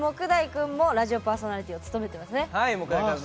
君もラジオパーソナリティーを務めてますね。